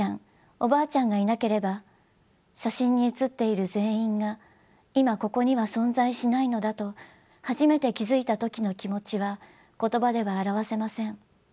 おばあちゃんがいなければ写真に写っている全員が今ここには存在しないのだと初めて気付いた時の気持ちは言葉では表せません。